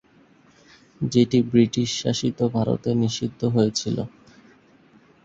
যেটি ব্রিটিশ শাসিত ভারতে নিষিদ্ধ হয়েছিল।